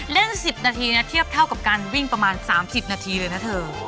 เล่น๑๐นาทีนะเทียบเท่ากับการวิ่งประมาณ๓๐นาทีเลยนะเธอ